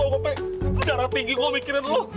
gue kayak darah tinggi gue mikirin lo